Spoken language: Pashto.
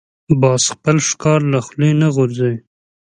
باز خپل ښکار له خولې نه غورځوي